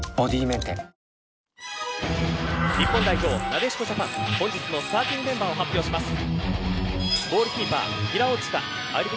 なでしこジャパン本日のスターティングメンバーを発表します。